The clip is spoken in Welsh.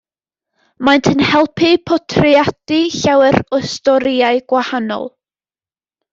Maent yn helpu portreadu llawer o storïau gwahanol.